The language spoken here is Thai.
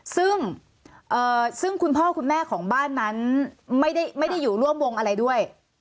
ซึ่งซึ่งคุณพ่อคุณแม่ของบ้านนั้นไม่ได้อยู่ร่วมวงอะไรด้วย